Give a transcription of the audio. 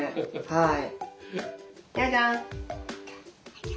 はい。